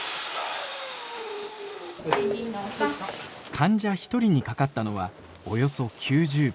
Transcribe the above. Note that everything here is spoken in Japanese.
患者１人にかかったのはおよそ９０秒。